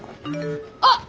あっ。